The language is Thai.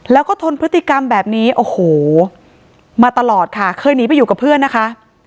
แล้วก็ทนพฤติกรรมแบบนี้โอ้โหมาตลอดค่ะเคยหนีไปอยู่กับเพื่อนนะคะ